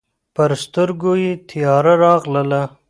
پر سترګو یې تياره راغله.